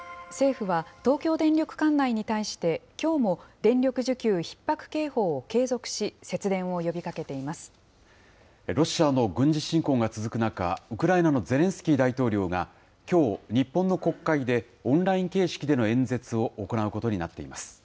政府は、東京電力管内に対してきょうも電力需給ひっ迫警報を継続し、節電ロシアの軍事侵攻が続く中、ウクライナのゼレンスキー大統領が、きょう、日本の国会でオンライン形式での演説を行うことになっています。